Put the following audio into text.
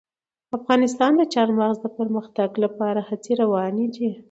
افغانستان کې د چار مغز د پرمختګ لپاره هڅې روانې دي.